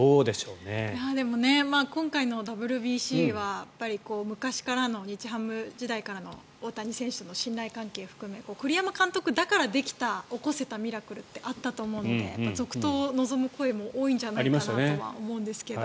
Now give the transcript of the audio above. でも、今回のＷＢＣは昔からの日ハム時代からの大谷選手との信頼関係を含め栗山監督だからできた起こせたミラクルってあったと思うので続投を望む声も多いんじゃないかなとは思うんですけど。